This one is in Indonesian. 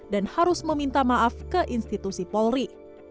dan harus meminta maaf ke institusi polri